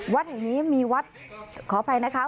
วัดแห่งนี้มีวัดขออภัยนะคะ